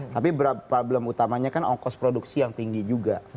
tapi problem utamanya kan ongkos produksi yang tinggi juga